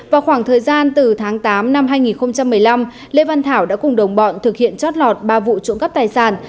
vào khoảng thời gian từ tháng tám năm hai nghìn một mươi năm lê văn thảo đã cùng đồng bọn thực hiện chót lọt ba vụ trộm cắp tài sản